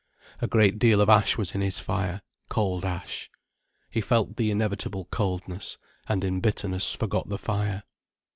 A great deal of ash was in his fire, cold ash. He felt the inevitable coldness, and in bitterness forgot the fire.